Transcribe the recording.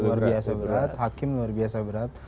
luar biasa berat hakim luar biasa berat